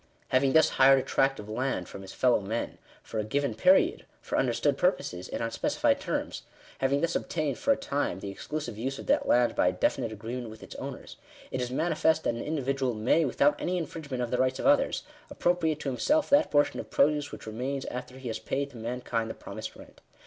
Having thus hired a tract of land from his fellow men, for a given period, for understood purposes, and on specified terms — having thus obtained, for a time, ,the exclusive use of that land by a definite agreement with its owners, it is manifest that an individual may, without any infringement of the rights of others, appropriate to himself that portion of produce which remains after he has paid to mankind the promised rent.